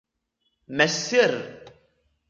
ما السر؟